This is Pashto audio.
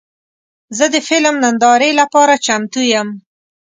زه د فلم نندارې لپاره چمتو یم.